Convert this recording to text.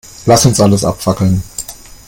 Lass uns alles abfackeln.